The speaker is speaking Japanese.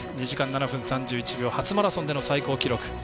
２時間７分３１秒初マラソンでの最高記録。